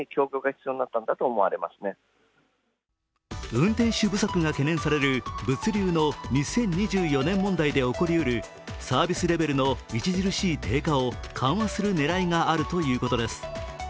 運転手不足が懸念される物流の２０２４年問題で起こりうるサービスレベルの著しい低下を緩和する狙いがあるということです。